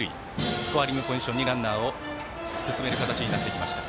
スコアリングポジションにランナーを進める形になってきました。